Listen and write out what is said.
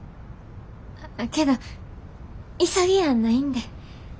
けど急ぎやないんで。